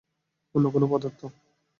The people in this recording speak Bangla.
অন্য কোনো পদার্থ।